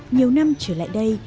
nhiều năm trở lại đây